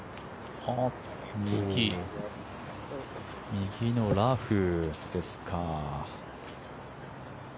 右のラフですか。